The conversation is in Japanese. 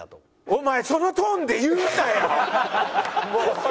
お前そのトーンで言うなよ！